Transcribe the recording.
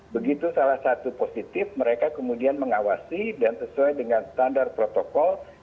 begitu salah satu positif mereka kemudian mengawasi dan sesuai dengan standar protokol